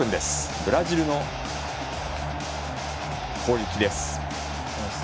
ブラジルの攻撃。